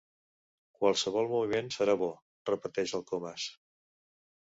Qualsevol moment serà bo —repeteix el Comas.